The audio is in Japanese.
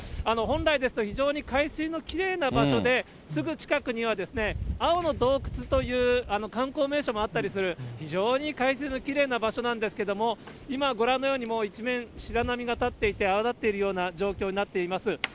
本来ですと、非常に海水のきれいな場所で、すぐ近くには青の洞窟という観光名所もあったりする、非常に海水のきれいな場所なんですけれども、今、ご覧のようにもう一面、白波が立っていて、泡立っているような状況になっています。